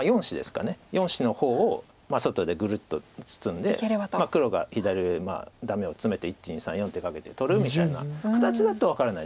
４子の方を外でグルッと包んで黒が左上ダメをツメて１２３４手かけて取るみたいな形だと分からないです。